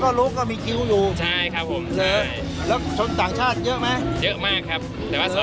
ขอบคุณที่อยู่ที่ฟิสติวัลและกลับมาทดลอง